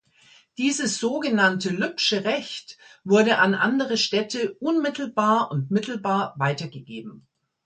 Dieses sogenannte Lübsche Recht wurde an andere Städte unmittelbar und mittelbar weitergegeben.